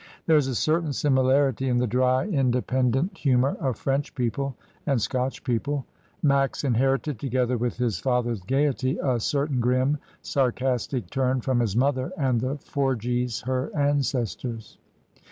There is a certain similarity in the dry, indepen MONSIEUR CARON'S HISTORY OF SOCIALISM. 1 99 dent humour of French people and Scotch people. Max inherited, together with his father's gaiety, a certain grim, sarcastic turn from his mother and the Forgies, her ancestors.